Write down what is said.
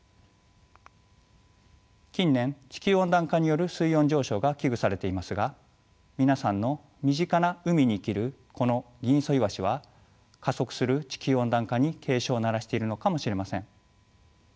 近年地球温暖化による水温上昇が危惧されていますが皆さんの身近な海に生きるこのギンイソイワシは加速する地球温暖化に警鐘を鳴らしているのかもしれません。